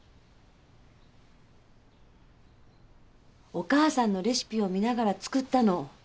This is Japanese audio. お母さんのレシピを見ながら作ったの。